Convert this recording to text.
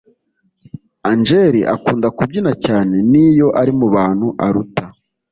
angel akunda kubyina cyane niyo ari mu bantu aruta